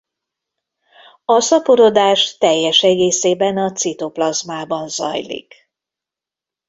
A szaporodás teljes egészében a citoplazmában zajlik.